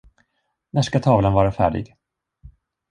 När skall tavlan vara färdig?